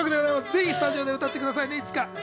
ぜひ、いつかスタジオで歌ってくださいね。